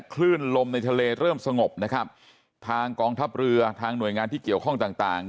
คลื่นลมในทะเลเริ่มสงบนะครับทางกองทัพเรือทางหน่วยงานที่เกี่ยวข้องต่างต่าง